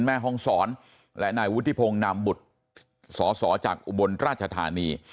แม่ห้องศรและนายวุฒิพงศ์นามบุตรสอสอจากอุบลราชธานี